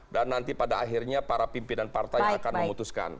dan nanti pada akhirnya para pimpinan partai akan memutuskan